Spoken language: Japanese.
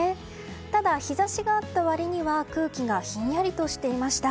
ただ、日差しがあった割には空気がひんやりとしていました。